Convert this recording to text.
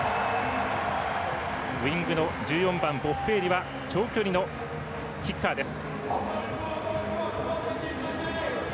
ウイングの１４番ボッフェーリは長距離のキッカーです。